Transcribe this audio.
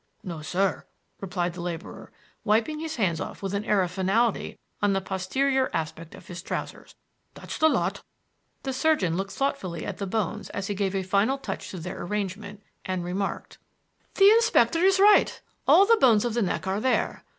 "No, sir," replied the laborer, wiping his hands with an air of finality on the posterior aspect of his trousers; "that's the lot." The surgeon looked thoughtfully at the bones as he gave a final touch to their arrangement, and remarked: "The inspector is right. All the bones of the neck are there.